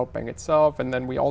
nhiều nước như thế này